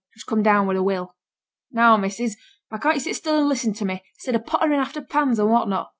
Just come down with a will." Now, missus, why can't ye sit still and listen to me, 'stead o' pottering after pans and what not?'